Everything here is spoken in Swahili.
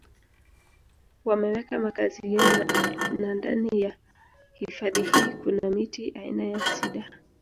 Wameweka makazi yao na ndani ya hifadhi hii kuna miti aina ya Cidar